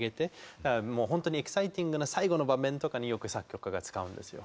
だからもう本当にエキサイティングな最後の場面とかによく作曲家が使うんですよ。